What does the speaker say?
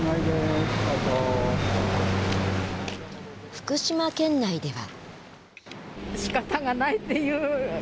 福島県内では。